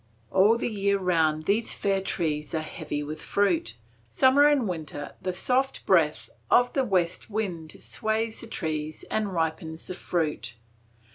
All the year round these fair trees are heavy with fruit; summer and winter the soft breath of the west wind sways the trees and ripens the fruit.